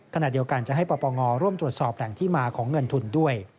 ขณะเดียวกันจะให้ปปงร่วมตรวจสอบแหล่งที่มาของเงินทุนด้วย